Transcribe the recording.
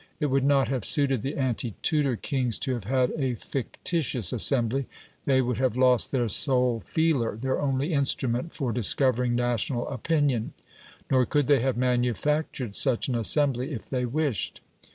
It would not have suited the ante Tudor kings to have had a fictitious assembly; they would have lost their sole FEELER, their only instrument for discovering national opinion. Nor could they have manufactured such an assembly if they wished.